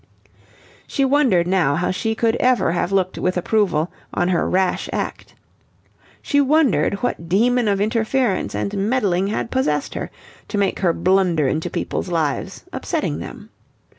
She wondered now how she could ever have looked with approval on her rash act. She wondered what demon of interference and meddling had possessed her, to make her blunder into people's lives, upsetting them.